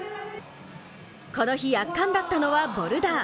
この日、圧巻だったのはボルダー。